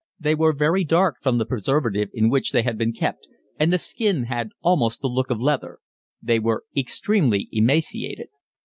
They were very dark from the preservative in which they had been kept, and the skin had almost the look of leather. They were extremely emaciated.